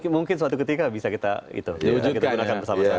mungkin suatu ketika bisa kita gunakan bersama sama